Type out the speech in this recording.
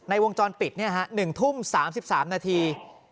วงจรปิด๑ทุ่ม๓๓นาที